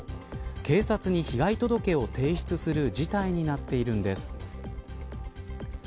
警察に被害届を提出する事態になっているんです。